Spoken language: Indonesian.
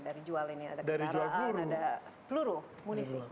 dari jual ini ada kendaraan ada peluru munisi